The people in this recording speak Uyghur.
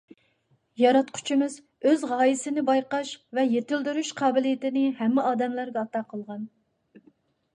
ياراتقۇچىمىز ئۆز غايىسىنى بايقاش ۋە يېتىلدۈرۈش قابىلىيىتىنى ھەممە ئادەملەرگە ئاتا قىلغان.